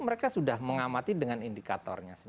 mereka sudah mengamati dengan indikatornya